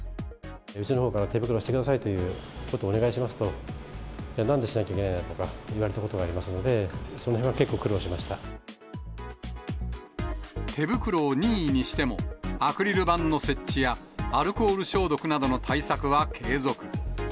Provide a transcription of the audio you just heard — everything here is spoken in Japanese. うちのほうから手袋してくださいということをお願いしますと、なんでしなきゃいけないのとか言われたこともありますので、手袋を任意にしてもアクリル板の設置やアルコール消毒などの対策は継続。